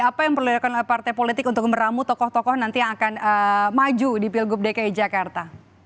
apa yang perlu dilakukan oleh partai politik untuk meramu tokoh tokoh nanti yang akan maju di pilgub dki jakarta